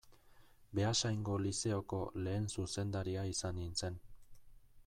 Beasaingo Lizeoko lehen zuzendaria izan nintzen.